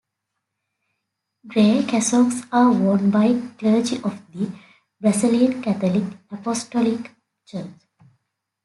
Grey cassocks are worn by clergy of the Brazilian Catholic Apostolic Church.